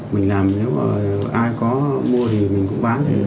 mình làm nếu mà ai có mua thì mình cũng bán